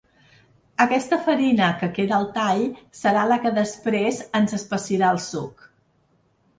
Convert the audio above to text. Aquesta farina que queda al tall serà la que després ens espessirà el suc.